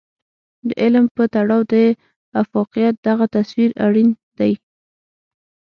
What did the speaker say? د علم په تړاو د افاقيت دغه تصور اړين دی.